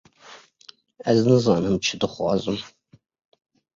Ez nizanim çi dixwazim.